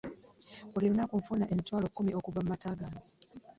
Buli lunaku nfuna emitwalo kkumi okuva mu mata gange.